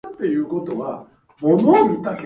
今、しぬよぉ